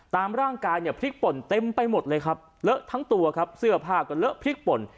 ตามร่างกายเนี่ยพริกป่นเต็มไปหมดเลยครับเลอะทั้งตัวครับเสื้อผ้าก็เลอะพริกป่น